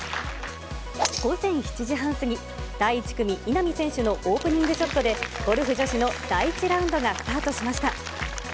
午前７時半過ぎ、第１組、稲見選手のオープニングショットで、ゴルフ女子の第１ラウンドがスタートしました。